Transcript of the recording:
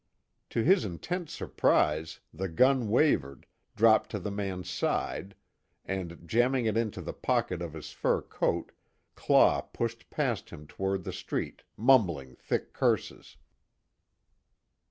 To his intense surprise, the gun wavered, dropped to the man's side and, jamming it into the pocket of his fur coat, Claw pushed past him toward the street, mumbling thick curses.